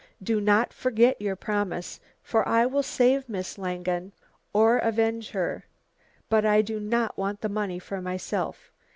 Do not forget your promise, for I will save Miss Langen or avenge her. But I do not want the money for myself.